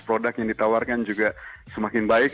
produk yang ditawarkan juga semakin baik